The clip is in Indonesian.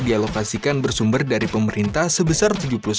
dialokasikan bersumber dari pemerintah sebesar tujuh puluh satu